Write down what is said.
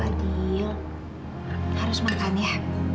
kak fadil harus makan ya